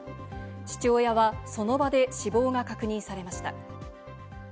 父親はその場で死亡が確認されました。